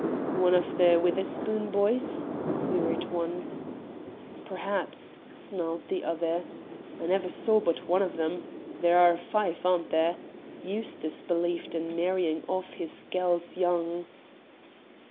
"One of the Witherspoon boys?" queried one. "Perhaps," snarled the other. "I never saw but one of them. There are five, aren't there? Eustace believed in marrying off his gals young."